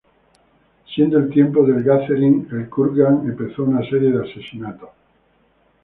Siendo el tiempo del "Gathering", "el Kurgan" empezó una serie de asesinatos.